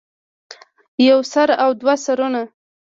يو سر او دوه سرونه